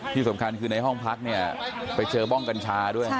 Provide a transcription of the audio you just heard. ที่สำคัญคือในห้องพักเนี่ยไปเจอบ้องกัญชาด้วย